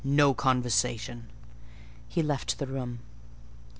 —No conversation," he left the room.